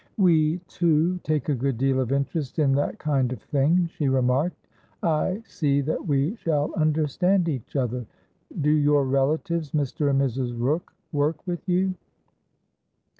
"We, too, take a good deal of interest in that kind of thing," she remarked. "I see that we shall understand each other. Do your relatives, Mr. and Mrs. Rooke, work with you?"